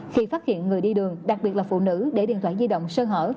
khi phát hiện người đi đường đặc biệt là phụ nữ để điện thoại di động sơ hở